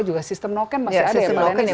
juga sistem noken masih ada ya mbak lainis ya